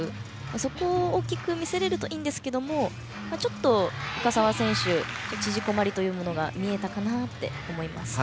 そこを、大きく見せられるといいんですがちょっと深沢選手、縮こまりが見えたかなと思います。